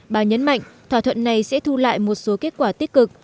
bà nhấn mạnh thỏa thuận này sẽ thu lại một số kết quả tích cực